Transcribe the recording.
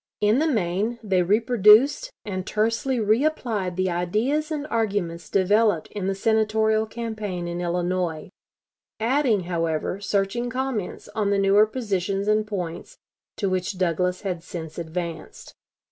In the main, they reproduced and tersely re applied the ideas and arguments developed in the Senatorial campaign in Illinois, adding, however, searching comments on the newer positions and points to which Douglas had since advanced.